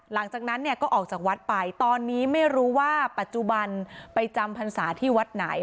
หลังจากนั้นเนี่ยก็ออกจากวัดไปตอนนี้ไม่รู้ว่าปัจจุบันไปจำพรรษาที่วัดไหน